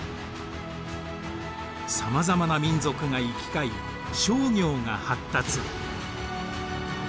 さまざまな民族が行き交い商業が発達。